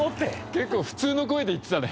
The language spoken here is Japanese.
結構普通の声で言ってたね。